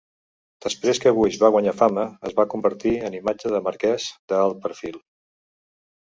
Després que Bush va guanyar fama es va convertir en imatge de marques d'alt perfil.